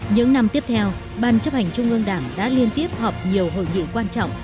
những năm tiếp theo ban chấp hành trung ương đảng đã liên tiếp họp nhiều hội nghị quan trọng